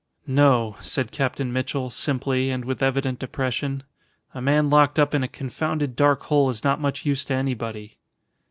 "No," said Captain Mitchell, simply, and with evident depression. "A man locked up in a confounded dark hole is not much use to anybody."